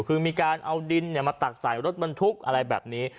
คือมีการเอาดินมาตักใส่รถบรรทุกอะไรแบบนี้